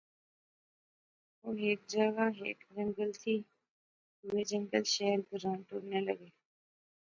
او ہیک جاغا ہیک جنگل تھی دوہے جنگل شہر گراں ٹرنے گئے